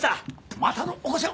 またのお越しを。